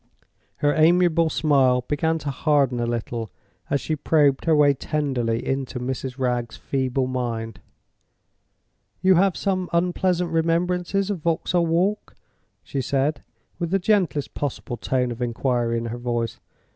Her amiable smile began to harden a little as she probed her way tenderly into Mrs. Wragge's feeble mind. "You have some unpleasant remembrances of Vauxhall Walk?" she said, with the gentlest possible tone of inquiry in her voice.